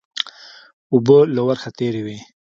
اوبه له ورخه تېرې وې